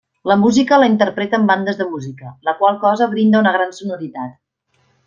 La música la interpreten bandes de música, la qual cosa brinda una gran sonoritat.